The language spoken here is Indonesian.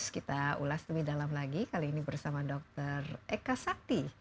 kita ulas lebih dalam lagi kali ini bersama dr eka sakti